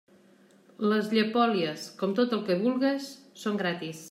Les llepolies, com tot el que vulgues, són gratis.